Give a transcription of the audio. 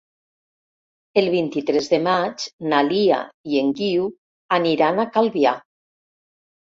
El vint-i-tres de maig na Lia i en Guiu aniran a Calvià.